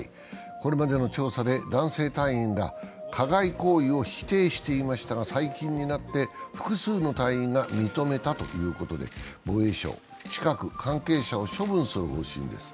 これまでの調査で男性隊員らは加害行為を否定していましたが、最近になって、複数の隊員が認めたということで、防衛省は近く関係者を処分する方針です。